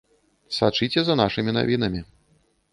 Сачыце за нашымі навінамі.